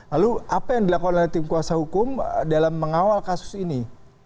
lalu apa yang dilakukan oleh tim kuasa hukum dalam mengawal kasus ini